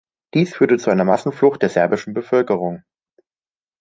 Dies führte zu einer Massenflucht der serbischen Bevölkerung.